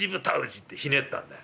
「ってひねったんだよ。